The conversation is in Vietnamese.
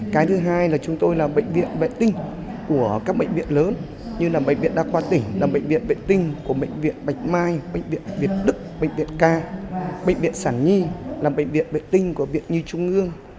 cái thứ hai là chúng tôi là bệnh viện vệ tinh của các bệnh viện lớn như là bệnh viện đa khoa tỉnh là bệnh viện vệ tinh của bệnh viện bạch mai bệnh viện việt đức bệnh viện ca bệnh viện sản nhi làm bệnh viện vệ tinh của viện nhi trung ương